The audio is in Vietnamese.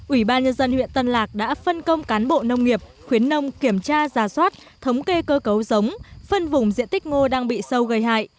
ủy ban nhân dân huyện tân lạc đã phân công cán bộ nông nghiệp khuyến nông kiểm tra giả soát thống kê cơ cấu giống phân vùng diện tích ngô đang bị sâu gây hại